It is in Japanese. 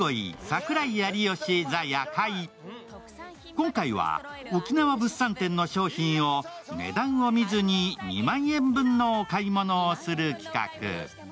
今回は沖縄物産店の商品を値段を見ずに２万円のお買い物をする企画。